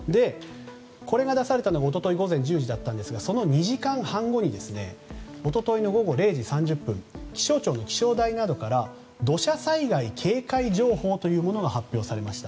これが出されたのが一昨日午前１０時だったんですがその２時間半後一昨日の午後０時３０分気象庁の気象台などから土砂災害警戒情報というものが発表されました。